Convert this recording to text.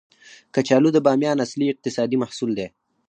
کچالو د بامیان اصلي اقتصادي محصول دی